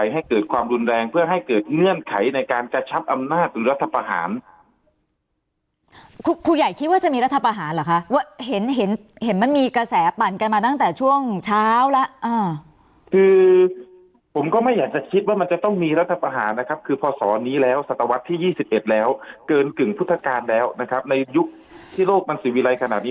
ให้เกิดความรุนแรงเพื่อให้เกิดเงื่อนไขในการกระชับอำนาจหรือรัฐประหารคุณครูใหญ่คิดว่าจะมีรัฐประหารเหรอคะว่าเห็นเห็นมันมีกระแสปั่นกันมาตั้งแต่ช่วงเช้าแล้วอ่าคือผมก็ไม่อยากจะคิดว่ามันจะต้องมีรัฐประหารนะครับคือพอสอนี้แล้วศตวรรษที่๒๑แล้วเกินกึ่งพุทธการแล้วนะครับในยุคที่โลกมันสิวิรัยขนาดนี้